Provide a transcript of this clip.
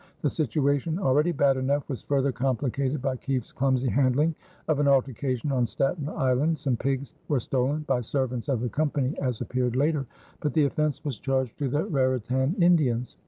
The situation, already bad enough, was further complicated by Kieft's clumsy handling of an altercation on Staten Island. Some pigs were stolen, by servants of the Company as appeared later; but the offense was charged to the Raritan Indians.